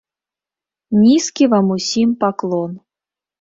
Нізкі вам усім паклон!